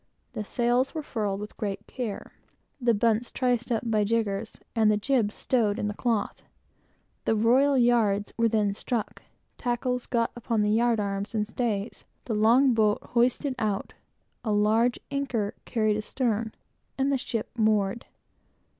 The sails were furled with great care, the bunts triced up by jiggers, and the jibs stowed in cloth. The royal yards were then struck, tackles got upon the yard arms and the stay, the long boat hoisted out, a large anchor carried astern, and the ship moored.